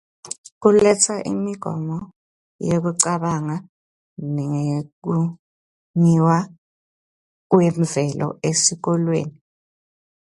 Kuletsa imigomo yekucabanga ngekongiwa kwemvelo esikolweni.